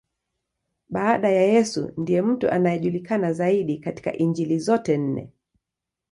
Baada ya Yesu, ndiye mtu anayejulikana zaidi katika Injili zote nne.